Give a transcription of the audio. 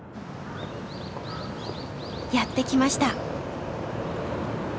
やって来ました！